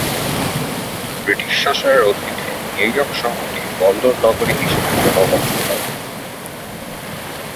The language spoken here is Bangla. ব্রিটিশ শাসনের অধীনে নিউ ইয়র্ক শহরটি বন্দরনগরী হিসেবে প্রভাব অর্জন করে।